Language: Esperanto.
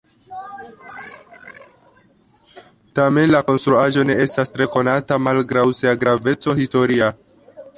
Tamen la konstruaĵo ne estas tre konata malgraŭ sia graveco historia.